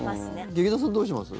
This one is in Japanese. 劇団さん、どうしてます？